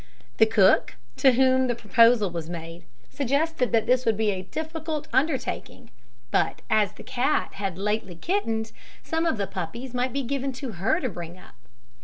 The cook, to whom the proposal was made, suggested that this would be a difficult undertaking; but as the cat had lately kittened, some of the puppies might be given to her to bring up.